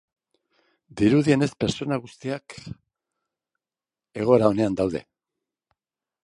Dirudienez, pertsona guztiak egoera onean daude.